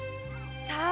さあ？